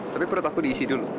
tapi perut aku diisi dulu